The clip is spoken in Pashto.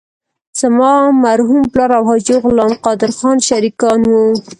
زما مرحوم پلار او حاجي غلام قادر خان شریکان وو.